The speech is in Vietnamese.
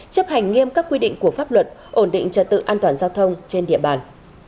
chấp hành nghiêm các quy định của pháp luật ổn định trật tự an toàn giao thông trên địa bàn